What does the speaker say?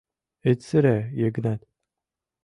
— Ит сыре, Йыгнат...